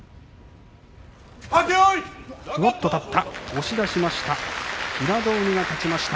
押し出しました。